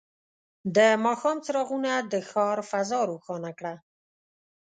د ماښام څراغونه د ښار فضا روښانه کړه.